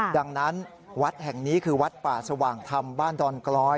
ดังนั้นวัดแห่งนี้คือวัดป่าสว่างธรรมบ้านดอนกลอย